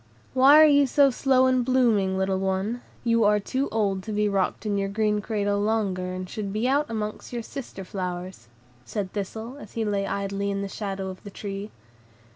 "Why are you so slow in blooming, little one? You are too old to be rocked in your green cradle longer, and should be out among your sister flowers," said Thistle, as he lay idly in the shadow of the tree.